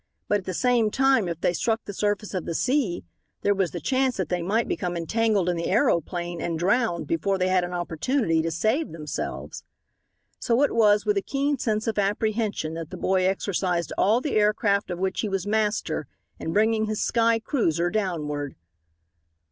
But at the same time, if they struck the surface of the sea, there was the chance that they might become entangled in the aeroplane and drowned before they had an opportunity to save themselves. So it was with a keen sense of apprehension that the boy exercised all the air craft of which he was master in bringing his sky cruiser downward.